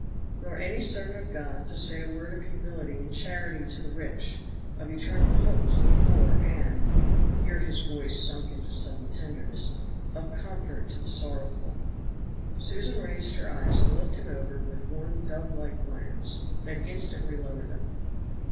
"Nor any servant of God to say a word of humility and charity to the rich, of eternal hope to the poor, and" (here his voice sunk into sudden tenderness) "of comfort to the sorrowful." Susan raised her eyes and looked him over with one dove like glance, then instantly lowered them.